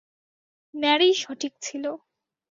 ম্যারিই সঠিক ছিল।